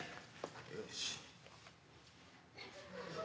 よし。